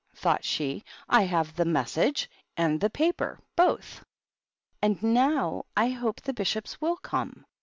thought she, "I have the ^ Message^ and the ^ Paper* both. And now I hope the Bishops will come.